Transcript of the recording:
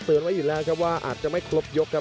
ไว้อยู่แล้วครับว่าอาจจะไม่ครบยกครับ